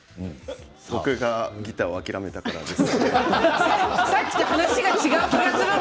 僕がギターを諦めたからです。